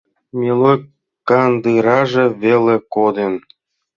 Милой кандыраже веле кодын.